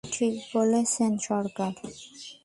ঠিকই বলেছেন, সরকার।